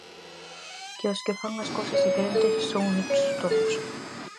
Que os que fan as cousas diferentes son uns tolos.